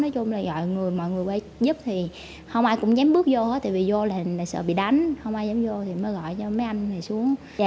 nói chung là gọi mọi người qua giúp thì không ai cũng dám bước vô hết vì vô là sợ bị đánh không ai dám vô thì mới gọi cho mấy anh này xuống